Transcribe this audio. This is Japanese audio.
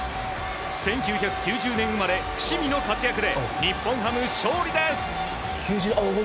１９９０年生まれ伏見の活躍で日本ハム、勝利です。